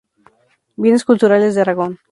Bienes Culturales de Aragón.